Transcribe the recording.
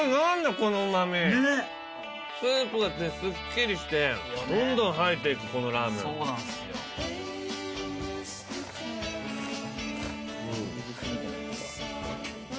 このうまみスープがスッキリしてどんどん入っていくこのラーメンそうなんすようん！